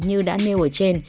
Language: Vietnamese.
như đã nêu ở trên